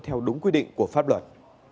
theo đúng quy định của pháp luật